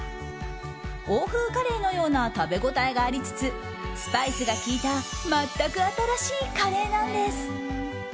欧風カレーのような食べ応えがありつつスパイスが効いた全く新しいカレーなんです。